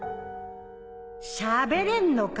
しゃべれんのか？